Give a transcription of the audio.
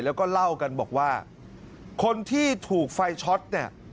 แล้วก็เล่ากันบอกว่าคนที่ถูกไฟช็อตเนี่ย